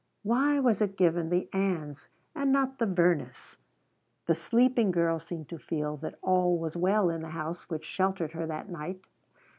Why was it given the Anns and not the Vernas? The sleeping girl seemed to feel that all was well in the house which sheltered her that night.